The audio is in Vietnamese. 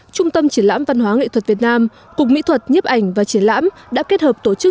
trung tâm triển lãm văn hóa nghệ thuật việt nam cục mỹ thuật nhếp ảnh và triển lãm đã kết hợp tổ chức